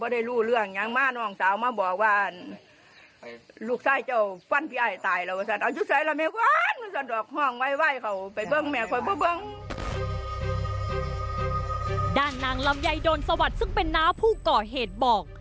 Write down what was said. ด้านนางลำไยโดนสวัสดิ์ซึ่งเป็นน้าผู้ก่อเหตุบอก